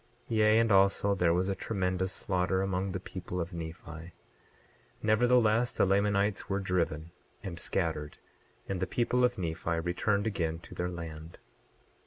28:3 Yea, and also there was a tremendous slaughter among the people of Nephi; nevertheless, the Lamanites were driven and scattered, and the people of Nephi returned again to their land.